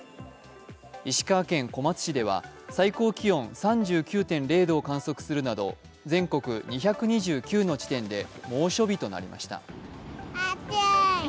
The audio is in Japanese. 石川県小松市では最高気温３９．０度を観測するなど全国２２９の地点で猛暑日となりました。